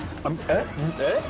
えっ？